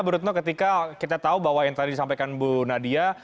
bu retno ketika kita tahu bahwa yang tadi disampaikan bu nadia